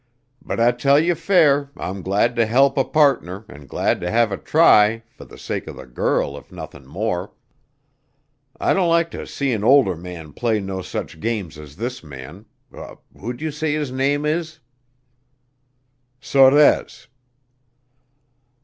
But I tell ye fair, I'm glad to help a pardner and glad to have a try, fer the sake of the girl if nothin' more. I don't like ter see an older man play no sech games as this man who d' ye say his name is?" "Sorez."